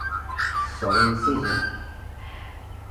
Selling the Sizzle!